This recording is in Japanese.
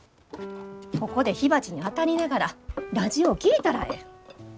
ここで火鉢にあたりながらラジオ聴いたらええ。